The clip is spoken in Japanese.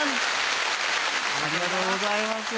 ありがとうございます。